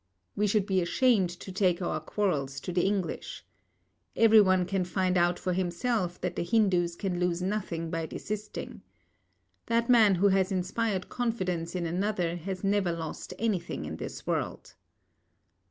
We should be ashamed to take our quarrels to the English. Everyone can find out for himself that the Hindus can lose nothing by desisting. That man who has inspired confidence in another has never lost anything in this world.